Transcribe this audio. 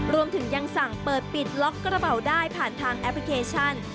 รวมถึงยังสั่งเปิดปิดล็อกกระเป๋าได้ผ่านทางแอปพลิเคชัน